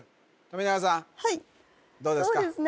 富永さんはいどうですか？